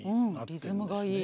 うんリズムがいい。